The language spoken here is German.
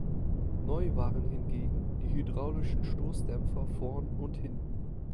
Neu waren hingegen die hydraulischen Stoßdämpfer vorn und hinten.